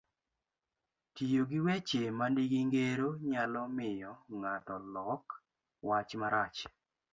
Tiyo gi weche manigi ngero nyalo miyo ng'ato lok wach marach,